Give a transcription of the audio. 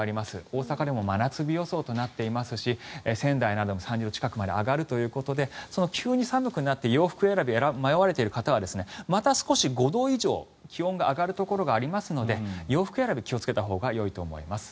大阪でも真夏日予想となっていますし仙台なども３０度近くまで上がるということで急に寒くなって洋服選びに迷われている方はまた少し５度以上、気温が上がるところがありますので洋服選び気をつけたほうがよいと思います。